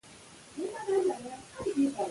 ښه چلند وکړئ.